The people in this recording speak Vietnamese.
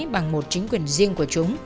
bằng một chính quyền riêng của chúng